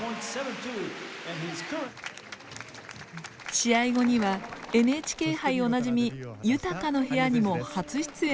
試合後にはＮＨＫ杯おなじみ「豊の部屋」にも初出演。